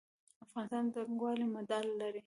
د افغانستان تکواندو مډال لري